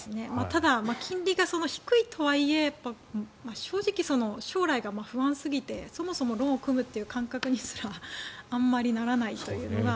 ただ、金利が低いとはいえ正直、将来が不安すぎてそもそもローンを組むという感覚にすらあまりならないというのが。